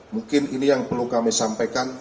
mungkin ini yang perlu kami sampaikan